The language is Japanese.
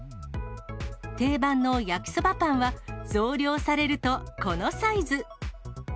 定番の焼きそばパンは、増量されると、このサイズ。